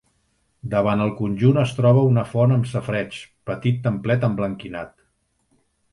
Davant el conjunt es troba una font amb safareig, petit templet emblanquinat.